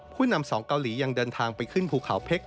ผู้นำสองเกาหลียังเดินทางไปขึ้นภูเขาเพชร